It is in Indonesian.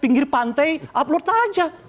pinggir pantai upload saja